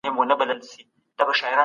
د ساینسي څېړنو په اړه خپل نظر ووایئ.